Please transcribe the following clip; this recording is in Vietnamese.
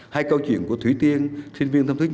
hai câu chuyện của thủy tiên sinh viên thâm thứ nhất